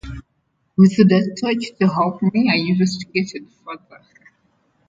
With the torch to help me I investigated further.